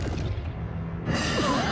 あっ。